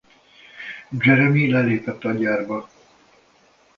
Jeremie lelépet a gyárba.